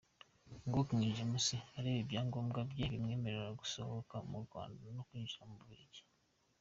Nguwo King James areba ibyangombwa bye bimwemerera gusohoka mu Rwanda no kwinjira mu Bubiligi.